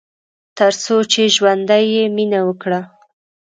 تر څو چې ژوندی يې ، مينه وکړه